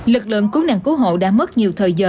lực lượng cứu nạn cứu hộ đã mất nhiều thời giờ